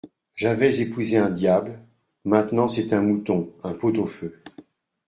J’avais épousé un diable,… maintenant c’est un mouton, un pot-au-feu !…